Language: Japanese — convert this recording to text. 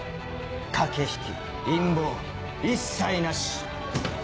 駆け引き陰謀一切なし！